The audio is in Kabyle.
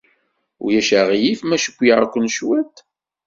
Ulac aɣilif ma cewwleɣ-kem cwiṭ?